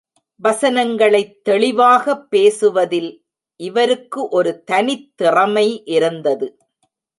வசனங்களைத் தெளிவாகப் பேசுவதில் இவருக்கு ஒரு தனித் திறமை இருந்தது.